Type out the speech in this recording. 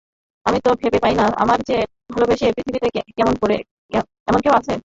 আমি তো ভেবে পাই নে, আমার চেয়ে ভালোবাসতে পারে পৃথিবীতে এমন কেউ আছে।